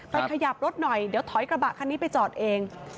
ขยับรถหน่อยเดี๋ยวถอยกระบะคันนี้ไปจอดเอง